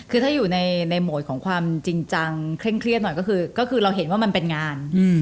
คือถ้าอยู่ในโหมดของความจริงจังเคร่งเครียดหน่อยก็คือเราเห็นว่ามันเป็นงาน